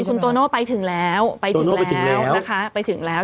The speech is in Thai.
คุณโตโน่ไปถึงแล้วไปถึงแล้วนะคะไปถึงแล้ว